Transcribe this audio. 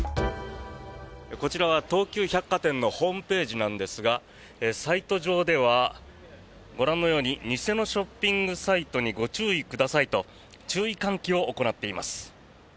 こちらは東急百貨店のホームページなんですがサイト上では、ご覧のように偽のショッピングサイトにご注意くださいと注意喚起を行っています。